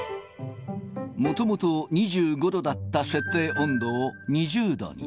もともと２５度だった設定温度を、２０度に。